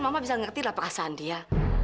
mama bisa ngerti lah perasaan dia